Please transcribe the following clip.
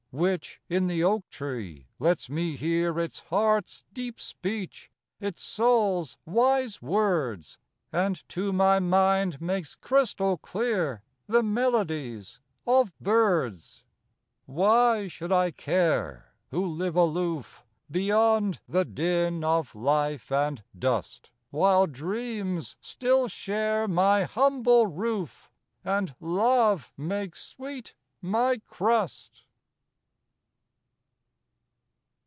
_ _Which, in the oak tree, lets me hear Its heart's deep speech, its soul's wise words; And to my mind makes crystal clear The melodies of birds._ _Why should I care, who live aloof, Beyond the din of life and dust, While dreams still share my humble roof, And love makes sweet my crust?